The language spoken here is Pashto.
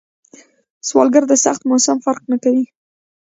سوالګر ته سخت موسم فرق نه کوي